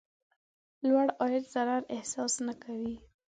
لوړ عاید ضرر احساس نه کوي.